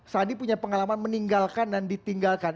sandi punya pengalaman meninggalkan dan ditinggalkan